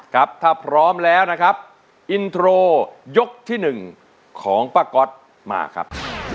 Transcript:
ครับถ้าพร้อมแล้วนะครับอินโทรยกที่๑ของป้าก๊อตมาครับ